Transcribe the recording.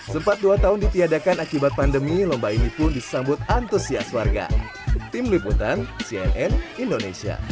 sempat dua tahun ditiadakan akibat pandemi lomba ini pun disambut antusias warga